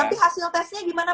tapi hasil tesnya gimana pak